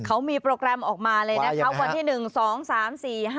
เขามีโปรแกรมออกมาเลยนะคะวันที่๑๒๓๔๕